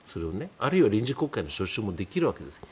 あるいは臨時国会の召集もできるわけです。